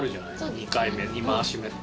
２回目２回し目ってね。